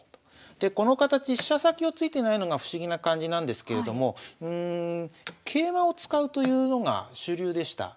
でこの形飛車先を突いてないのが不思議な感じなんですけれども桂馬を使うというのが主流でした。